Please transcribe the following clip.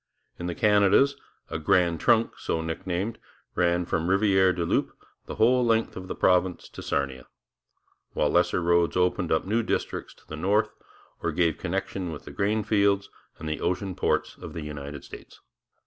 In the Canadas a 'Grant Trunk,' so nicknamed, ran from Rivière du Loup the whole length of the province to Sarnia, while lesser roads opened up new districts to the north or gave connection with the grain fields and the ocean ports of the United States.